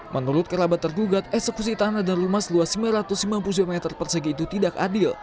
menurut kerabat tergugat eksekusi tanah dan rumah seluas sembilan ratus sembilan puluh lima meter persegi itu tidak adil